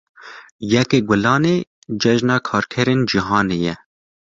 Yekê Gulanê Cejina Karkerên Cîhanê ye.